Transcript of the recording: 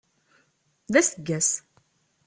D aseggas.